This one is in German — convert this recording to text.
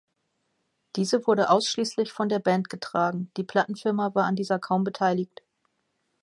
Diese wurde ausschließlich von der Band getragen, die Plattenfirma war an dieser kaum beteiligt.